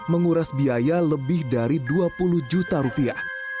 menguras biaya lebih dari dua puluh juta rupiah